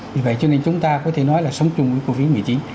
vì vậy cho nên chúng ta có thể nói là sống chung với covid một mươi chín